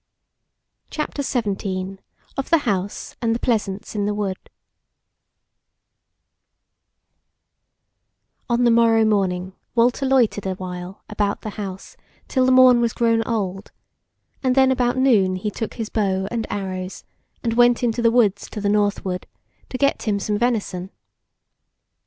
CHAPTER XVII: OF THE HOUSE AND THE PLEASANCE IN THE WOOD On the morrow morning Walter loitered a while about the house till the morn was grown old, and then about noon he took his bow and arrows and went into the woods to the northward, to get him some venison.